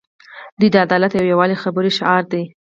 دوی د عدالت او یووالي خبرې شعار دي.